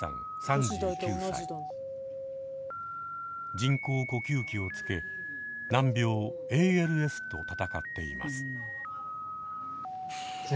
人工呼吸器をつけ難病ＡＬＳと闘っています。